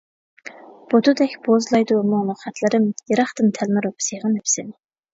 بۇتىدەك بوزلايدۇ مۇڭلۇق خەتلىرىم، يىراقتىن تەلمۈرۈپ سېغىنىپ سېنى.